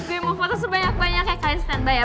gue mau foto sebanyak banyak kayak kalian stand by ya